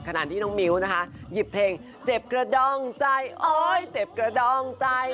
ขนาดที่น้องมิวหยิบเพลงเจ็บกระดองใจโอ๊ยเจ็บกระดองใจ